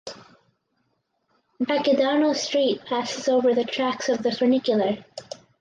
Baquedano street passes over the tracks of the funicular.